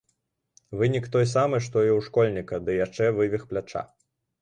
Вынік той самы што і ў школьніка, ды яшчэ вывіх пляча.